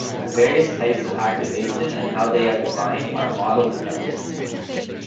The various types of activation, and how these are defined, are model-dependent.